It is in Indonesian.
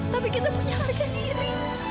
tapi kita punya harga diri